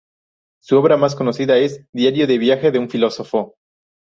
Su obra más conocida es "Diario de viaje de un filósofo.